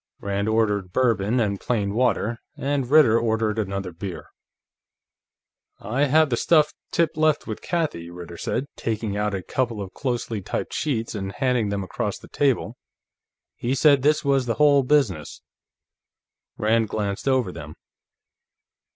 Rand ordered Bourbon and plain water, and Ritter ordered another beer. "I have the stuff Tip left with Kathie," Ritter said, taking out a couple of closely typed sheets and handing them across the table. "He said this was the whole business." Rand glanced over them.